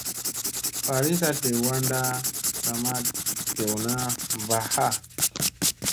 Falita dew wanda sa ma dewna mba ha.